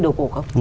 với đồ cổ không